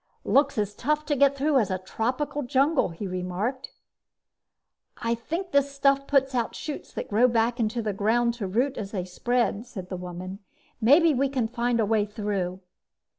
"Looks as tough to get through as a tropical jungle," he remarked. "I think the stuff puts out shoots that grow back into the ground to root as they spread," said the woman. "Maybe we can find a way through."